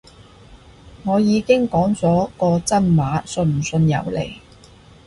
我已經講咗個真話，信唔信由你